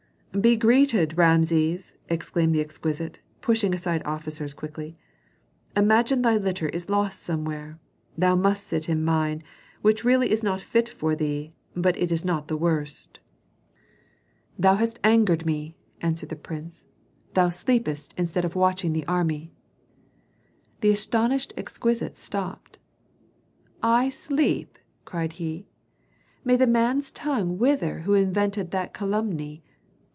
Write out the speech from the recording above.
"Be greeted, Rameses!" exclaimed the exquisite, pushing aside officers quickly. "Imagine thy litter is lost somewhere; thou must sit in mine, which really is not fit for thee, but it is not the worst." "Thou hast angered me," answered the prince. "Thou sleepest instead of watching the army." The astonished exquisite stopped. "I sleep?" cried he. "May the man's tongue wither up who invented that calumny!